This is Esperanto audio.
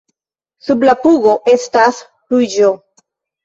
Sub la pugo estas ruĝo.